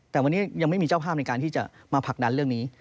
แต่วันนี้ยังไม่มีเจ้าภาพในการที่จะมาผลักดันเรื่องนี้